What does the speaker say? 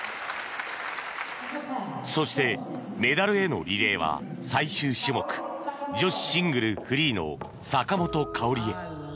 そして、メダルへのリレーは最終種目、女子シングルフリーの坂本花織へ。